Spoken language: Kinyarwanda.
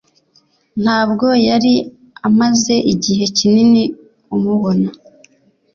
Ntabwo yari amaze igihe kinini amubona.